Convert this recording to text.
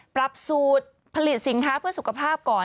ปรับสูตรผลิตสินค้าเพื่อสุขภาพก่อน